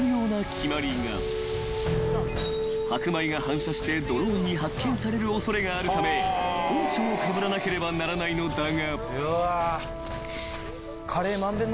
［白米が反射してドローンに発見される恐れがあるためポンチョをかぶらなければならないのだが］